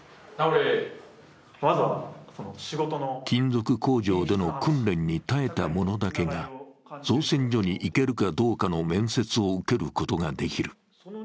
金属工場での訓練に耐えた者だけが造船所に行けるかどうかの面接を受けることができる。